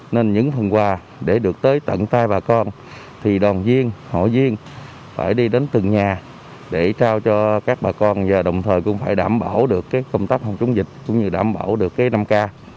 nên những phần quà để được tới tận tay bà con thì đoàn viên hội viên phải đi đến từng nhà để trao cho các bà con và đồng thời cũng phải đảm bảo được công tác phòng chống dịch cũng như đảm bảo được năm k